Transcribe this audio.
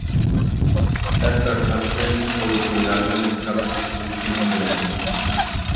تەپ تارتماستىن كوچا-كويلاردىن، قۇچاقلىشىپ ئۆتكىنىڭ بىلەن.